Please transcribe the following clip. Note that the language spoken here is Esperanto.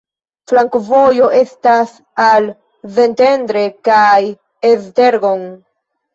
Flankovojo estas al Szentendre kaj Esztergom.